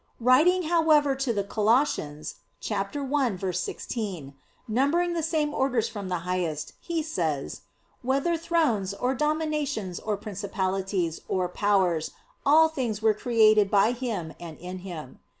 Writing however to the Colossians (1:16), numbering the same orders from the highest, he says: "Whether Thrones, or Dominations, or Principalities, or Powers, all things were created by Him and in Him."